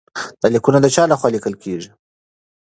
دا لیکونه د چا لخوا لیکل کیږي؟